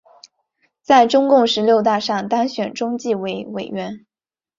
在中共十六大上当选中纪委委员。